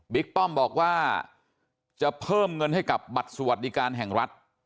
ป้อมบอกว่าจะเพิ่มเงินให้กับบัตรสวัสดิการแห่งรัฐ